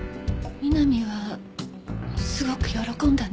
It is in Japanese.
美波はすごく喜んだんです。